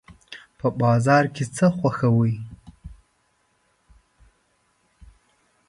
په بازار کې څه خوښوئ؟